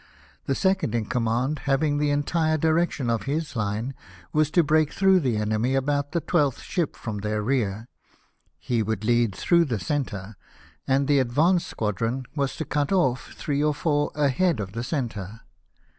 The second in command, having the entire direction of his line, was to break through the enemy, about the twelfth ship from their rear; he would lead through the centre, and the advance squadron was to cut off three or four ahead of the centre.